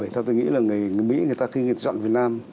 theo tôi nghĩ là người mỹ khi chọn việt nam